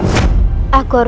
lebih baik sekarang